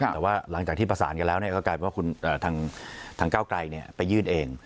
แต่ว่าหลังจากที่ประสานกันแล้วก็กลายเป็นว่าคุณทางก้าวไกลไปยื่นเอง